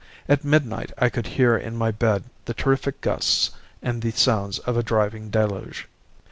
At midnight I could hear in my bed the terrific gusts and the sounds of a driving deluge.